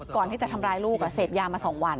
ก่อนที่จะทำร้ายลูกเสพยามา๒วัน